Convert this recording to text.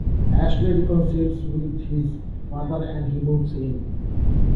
Ashley reconciles wth his father and he moves in.